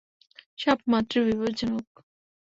সাপ মাত্রই বিপজ্জনক।